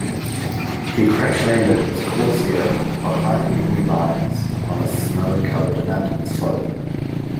He crash-landed his Corsair behind enemy lines on a snow-covered mountain slope.